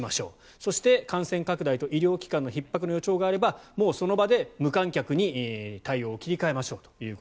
そして、感染拡大と医療機関のひっ迫の予兆があればもうその場で無観客に対応を切り替えましょうと。